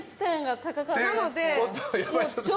なので。